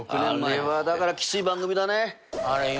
あれはだからきつい番組だね。